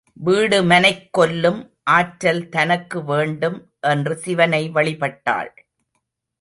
வீடுமனைக் கொல்லும் ஆற்றல் தனக்கு வேண்டும் என்று சிவனை வழிபட்டாள்.